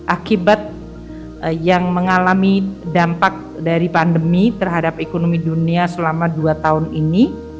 akibat yang mengalami dampak dari pandemi terhadap ekonomi dunia selama dua tahun ini